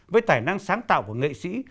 với tài năng sáng tạo của nghệ sĩ